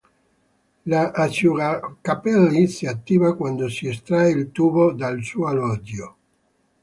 L'asciugacapelli si attiva quando si estrae il tubo dal suo alloggio.